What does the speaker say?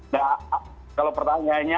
nah kalau pertanyaannya